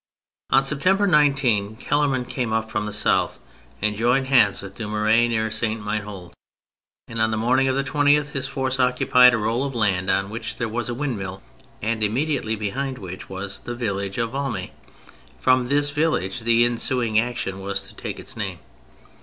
On September 19 Kellermann came up from the south and joined hands with Dumouriez near St. Menehould, and on the morning of the 20th his force occupied a roll of land on which there was a windmill and immediately behind which was the village of Valmy; from this village the ensuing action was to take its name.